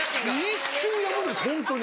一瞬やむんですホントに。